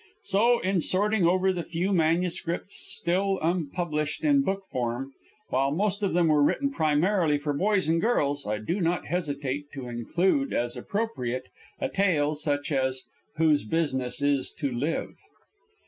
So, in sorting over the few manuscripts still unpublished in book form, while most of them were written primarily for boys and girls, I do not hesitate to include as appropriate a tale such as "Whose Business Is to Live."